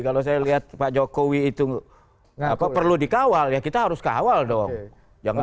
kalau saya lihat pak jokowi itu perlu dikawal ya kita harus kawal dong